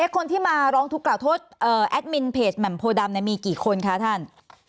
คนที่มาร้องทุกขล่าโทษแอดมินเพจแหม่มโพดำมีกี่คนคะท่าน